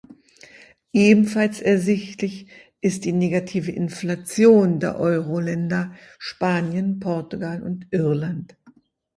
Ebenfalls ersichtlich ist die negative Inflation der Euro-Länder Spanien, Portugal und Irland.